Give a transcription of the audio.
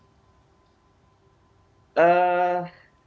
saya belum dapat panggilan